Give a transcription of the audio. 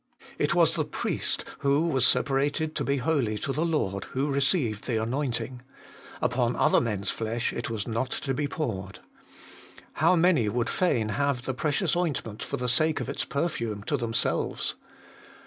It was the priest, who was separated to be holy to the Lord, who received the anointing : upon other men's flesh it was not to be poured. How many would fain have the precious ointment for the sake of its perfume to themselves